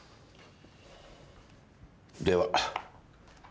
では。